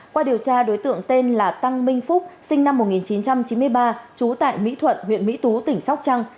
qua điều tra đối tượng tên là tăng minh phúc sinh năm một nghìn chín trăm chín mươi ba trú tại mỹ thuận huyện mỹ tú tỉnh sóc trăng